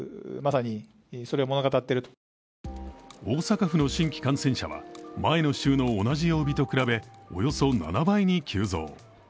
大阪府の新規感染者は前の週の同じ曜日と比べおよそ７倍に急増。